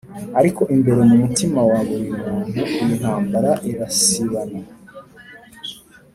. Ariko imbere mu mutima wa buri muntu iyi ntambara irasibana